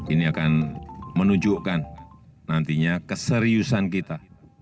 ini akan menunjukkan nantinya keseriusan kita